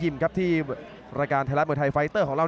อื้อหือจังหวะขวางแล้วพยายามจะเล่นงานด้วยซอกแต่วงใน